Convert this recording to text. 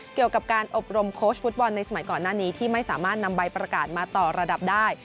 เกี่ยวกับการอบรมโค้ชฟุตบอลในสมัยก่อนหน้านี้ที่ไม่สามารถนำใบประกาศมาต่อระดับได้